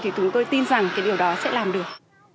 thì chúng tôi tin rằng cái điều đó sẽ làm được